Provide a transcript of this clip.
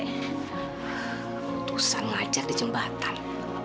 keputusan ngajak di jembatan